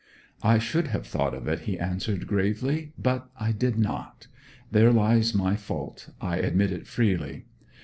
'I should have thought of it,' he answered gravely. 'But I did not. There lies my fault, I admit it freely.